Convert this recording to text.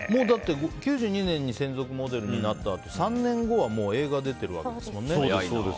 ９２年に専属モデルになったあと３年後はもう映画出ているわけですからね。